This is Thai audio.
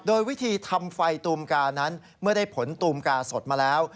โดยวิธีทำไฟตูมกานั้นเมื่อได้ผลตูมกาสดมาแล้ว